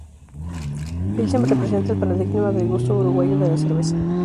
Pilsen representa el paradigma del gusto uruguayo de la cerveza.